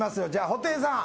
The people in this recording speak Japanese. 布袋さん